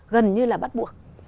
gần như là bắt buộc